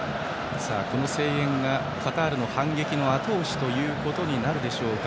この声援がカタールの反撃のあと押しとなるでしょうか。